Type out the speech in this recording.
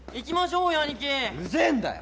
うぜえんだよ！